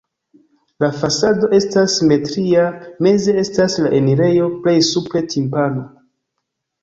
La fasado estas simetria, meze estas la enirejo, plej supre timpano.